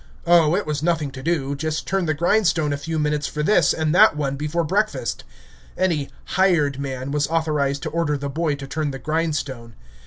Oh, it was nothing to do, just turn the grindstone a few minutes for this and that one before breakfast; any "hired man" was authorized to order the boy to turn the grindstone.